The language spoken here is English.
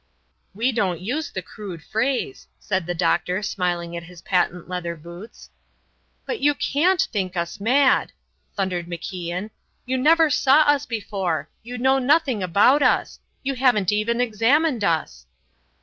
"We don't use the crude phrase," said the doctor, smiling at his patent leather boots. "But you can't think us mad," thundered MacIan. "You never saw us before. You know nothing about us. You haven't even examined us."